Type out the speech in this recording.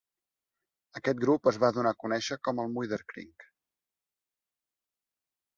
Aquest grup es va donar a conèixer com el Muiderkring.